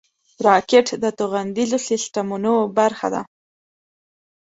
راکټ د توغندیزو سیسټمونو برخه ده